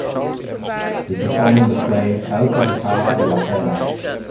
They perform in the play “El Alcázar de las Perlas”.